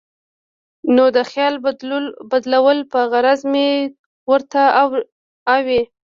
نو د خیال بدلولو پۀ غرض مې ورته اووې ـ